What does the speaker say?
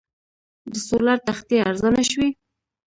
د سولر تختې ارزانه شوي؟